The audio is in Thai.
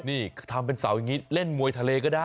นี่ทำเป็นเสาอย่างนี้เล่นมวยทะเลก็ได้